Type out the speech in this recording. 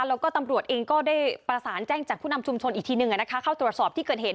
แล้วก็ตำรวจเองก็ได้ประสานแจ้งจากผู้นำชุมชนอีกทีนึงเข้าตรวจสอบที่เกิดเหตุ